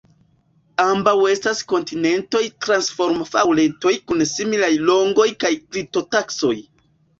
Ambaŭ estas kontinentaj transformofaŭltoj kun similaj longoj kaj glitotaksoj.